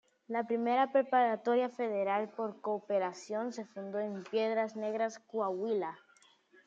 La primera preparatoria federal por cooperación se fundó en Piedras Negras, Coahuila.